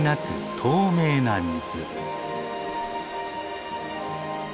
透明な水。